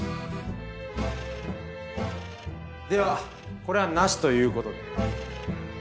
ではこれはなしという事で。